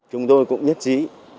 chúng tôi cũng nhất trí